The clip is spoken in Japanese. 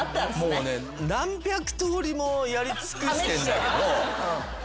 もうね何百とおりもやり尽くしてんだけど。